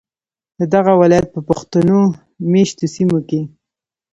ددغه ولایت په پښتون میشتو سیمو کې